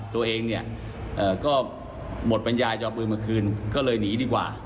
ตัวเองเนี่ยก็หมดปัญญาจะเอาปืนมาคืนก็เลยหนีดีกว่า